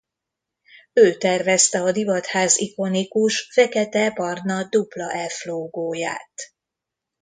Ő tervezte a divatház ikonikus fekete-barna dupla F logóját.